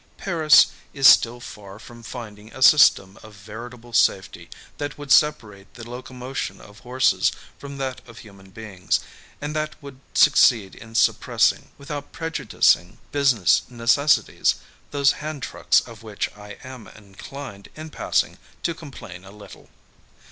Paris is still far from finding a system of veri "3 / 1 14 PARIS table safety that would separate the locomotion of horses from that of human beings, and that would succeed in sup pressing, without prejudicing business necessities, those hand trucks of which I am inclined, in passing, to complain a little.